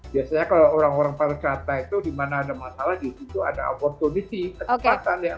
biasanya kalau orang orang pariwisata itu dimana ada masalah di situ ada opportunity kecepatan ya